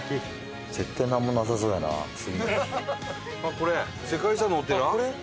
これ世界遺産のお寺？